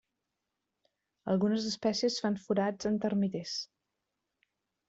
Algunes espècies fan forats en termiters.